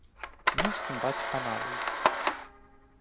Nu schimbați canalul.